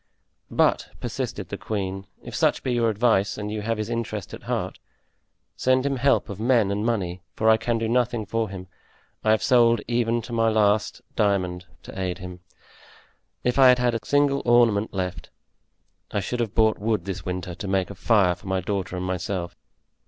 "But," persisted the queen, "if such be your advice and you have his interest at heart, send him help of men and money, for I can do nothing for him; I have sold even to my last diamond to aid him. If I had had a single ornament left, I should have bought wood this winter to make a fire for my daughter and myself."